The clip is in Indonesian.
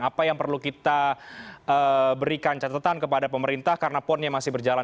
apa yang perlu kita berikan catatan kepada pemerintah karena ponnya masih berjalan